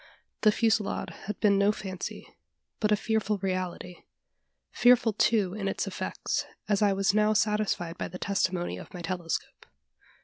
The fusillade had been no fancy, but a fearful reality fearful, too, in its effects, as I was now satisfied by the testimony of my telescope.